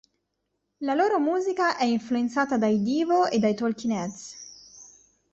La loro musica è influenzata dai Devo e dai Talking Heads.